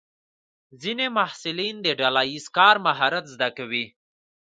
ځینې محصلین د ډله ییز کار مهارت زده کوي.